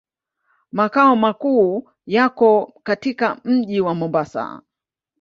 Makao makuu yako katika mji wa Mombasa.